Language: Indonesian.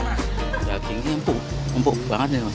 dagingnya empuk empuk banget